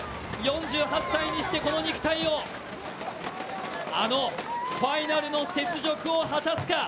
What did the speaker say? ４８歳にして、この肉体を、あのファイナルの雪辱を果たすか。